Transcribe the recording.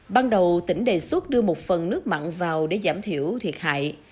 ban đầu tỉnh đề xuất đưa một phần nước mặn vào để giảm thiểu thiệt hại